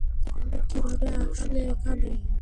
কীভাবে আসলে এখানে?